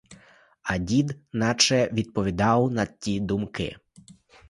А дід наче відповідав на ті думки.